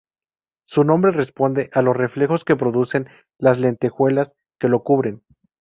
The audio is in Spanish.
Su nombre responde a los reflejos que producen las lentejuelas que lo cubren.